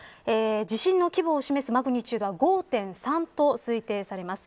地震の規模を示すマグニチュードは５．３と推定されます。